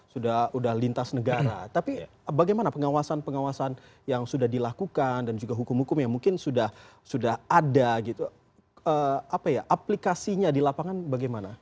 sudah lintas negara tapi bagaimana pengawasan pengawasan yang sudah dilakukan dan juga hukum hukum yang mungkin sudah ada gitu aplikasinya di lapangan bagaimana